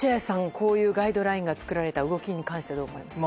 こういうガイドラインが作られた動きに関してはどう思われますか？